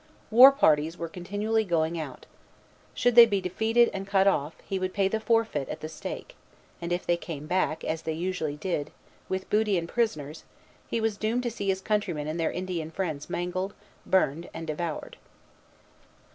War parties were continually going out. Should they be defeated and cut off, he would pay the forfeit at the stake; and if they came back, as they usually did, with booty and prisoners, he was doomed to see his countrymen and their Indian friends mangled, burned, and devoured.